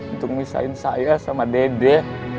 untuk memisahin saya sama dede